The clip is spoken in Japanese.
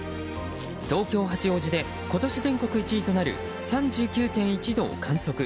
東京・八王子市で今年全国１位となる３９．１度を観測。